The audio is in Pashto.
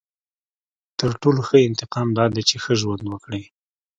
• تر ټولو ښه انتقام دا دی چې ښه ژوند وکړې.